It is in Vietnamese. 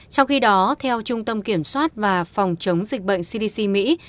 trong khi đó theo trung tâm kiểm soát và phòng chống dịch bệnh cdc mỹ